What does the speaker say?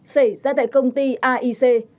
xảy ra tại công ty aic